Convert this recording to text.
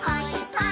はい。